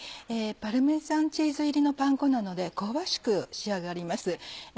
パルメザンチーズ入りのパン粉なので香ばしく仕上がります。